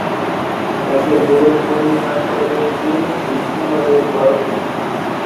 এটি দোল পূর্ণিমার পরবর্তী বৈষ্ণবদের বড়ো উৎসব।